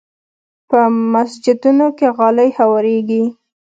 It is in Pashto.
په مسجدونو کې غالۍ هوارېږي.